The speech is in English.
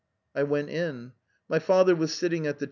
I went in. My father was sitting at his.